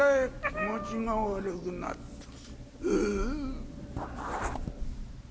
気持ちが悪くなる。